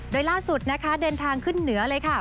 โดยล่าสุดนะคะเดินทางขึ้นเหนือเลยค่ะ